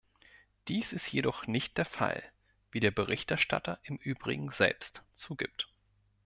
Dies ist jedoch nicht der Fall, wie der Berichterstatter im übrigen selbst zugibt.